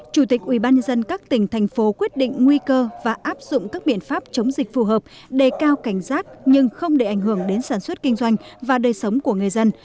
chủ tịch ubnd các tỉnh thành phố quyết định nguy cơ và áp dụng các biện pháp chống dịch phù hợp đề cao cảnh giác nhưng không để ảnh hưởng đến sản xuất kinh doanh và đời sống của người dân